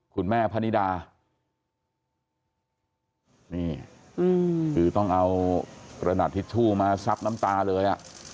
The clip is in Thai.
คุณแม่พนีดาต้องเอากระดัดทิชชู่มาซับน้ำตาเลย